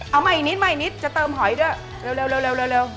เอาใหม่นิดจะเติมหอยด้วยเร็ว